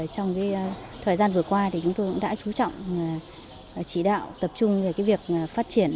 trong thời gian vừa qua chúng tôi cũng đã chú trọng chỉ đạo tập trung về việc phát triển